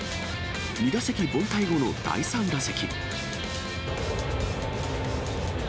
２打席凡退後の第３打席。